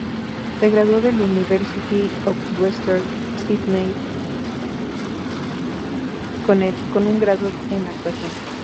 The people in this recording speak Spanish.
Se graduó del University of Western Sydney con un grado en actuación.